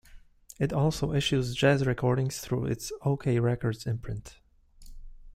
It also issues jazz recordings through its Okeh Records imprint.